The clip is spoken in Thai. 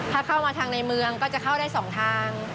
ถ้าเข้ามาทางในเมืองก็จะเข้าได้๒ทาง